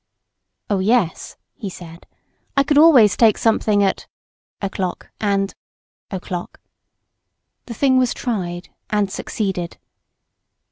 "Oh, yes," he said, "I could always take something at o'clock and o'clock." The thing was tried and succeeded.